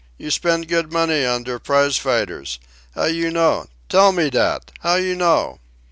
You spend good money on der prize fighters. How you know? Tell me dat! How you know?"